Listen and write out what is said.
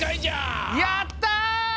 やった！